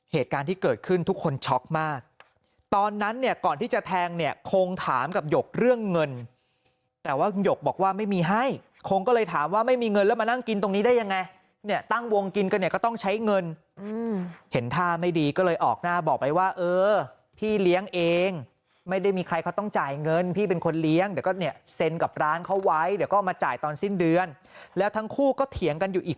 เหตุการณ์ที่เกิดขึ้นทุกคนช็อคมากตอนนั้นเนี่ยก่อนที่จะแทงเนี่ยคงถามกับหยกเรื่องเงินแต่ว่าหยกบอกว่าไม่มีให้คงก็เลยถามว่าไม่มีเงินแล้วมานั่งกินตรงนี้ได้ยังไงเนี่ยตั้งวงกินกันเนี่ยก็ต้องใช้เงินเห็นท่าไม่ดีก็เลยออกหน้าบอกไปว่าเออพี่เลี้ยงเองไม่ได้มีใครเขาต้องจ่ายเงินพี่เป็นคนเลี้ยงเดี